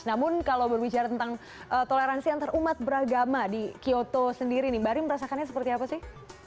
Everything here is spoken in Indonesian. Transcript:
namun kalau berbicara tentang toleransi antar umat beragama di kyoto sendiri ini mbak rin merasakannya seperti apa sih